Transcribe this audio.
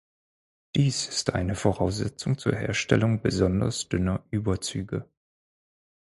Dies ist eine Voraussetzung zur Herstellung besonders dünner Überzüge.